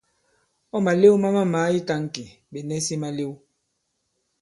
Ɔ̂ màlew ma mamàa i tāŋki, ɓè nɛsi malew.